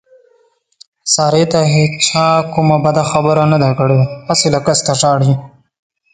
سارې ته هېچا کومه بده خبره نه ده کړې، هسې له قسته ژاړي.